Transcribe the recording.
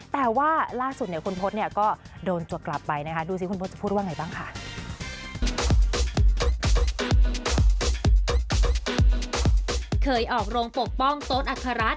แต่ว่าล่าสุดคุณพจน์ก็โดนตัวกลับไปนะคะ